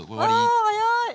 あ早い！